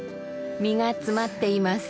身が詰まっています。